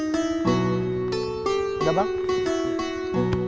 terima kasih pak